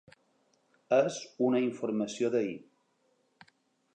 És una informació d’ahir.